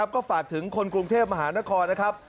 ก็ฝากถึงคนกรุงเทพมหานครนะครับ